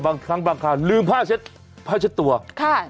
บางครั้งค่ะลืมผ้าเช็ดตัวค่ะ